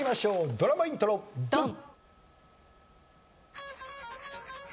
ドラマイントロドン！